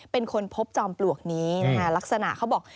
เป็นคนพบจอมปลวกนี้นะคะลักษณะเขาบอก